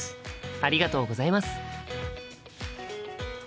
ありがとうございます。